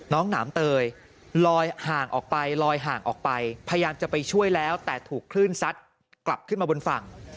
หนามเตยลอยห่างออกไปลอยห่างออกไปพยายามจะไปช่วยแล้วแต่ถูกคลื่นซัดกลับขึ้นมาบนฝั่ง